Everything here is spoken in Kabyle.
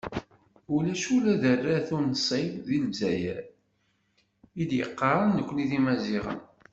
Ulac ula d arrat unṣib deg Lezzayer, i d-yaqqaren nekni d Imaziɣen.